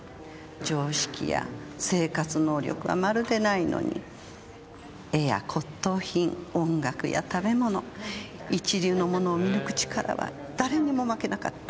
常識や生活能力はまるでないのに絵や骨董品音楽や食べ物一流のものを見抜く力は誰にも負けなかった。